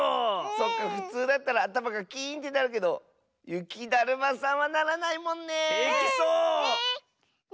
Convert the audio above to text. そっかふつうだったらあたまがキーンってなるけどゆきだるまさんはならないもんね！